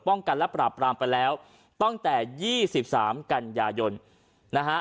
กันและปราบรามไปแล้วตั้งแต่ยี่สิบสามกันยายนนะฮะ